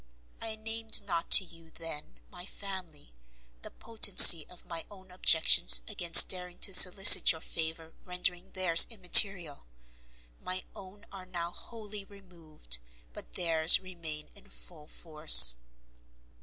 I named not to you, then, my family, the potency of my own objections against daring to solicit your favour rendering theirs immaterial; my own are now wholly removed, but theirs remain in full force.